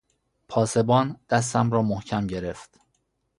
پاسبان دستم را محکم گرفت.